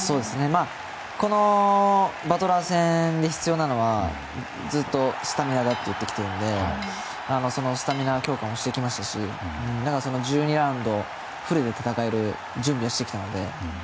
このバトラー戦に必要なのはずっとスタミナだと言ってきていたのでそのスタミナ強化もしてきましたし１２ラウンドをフルで戦える準備はしてきたので。